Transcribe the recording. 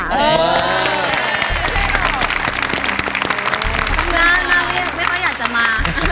ลูกหน้ารักน้ารักไม่ค่อยอยากจะมา